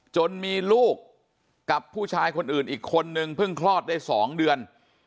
จนมีลูกกับผู้ชายคนอื่นอีกคนนึงเพิ่งคลอดได้๒เดือน